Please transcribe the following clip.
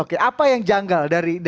oke apa yang janggal dari